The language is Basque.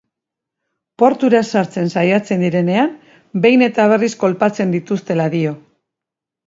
Portura sartzen saiatzen direnean behin eta berriz kolpatzen dituztela dio.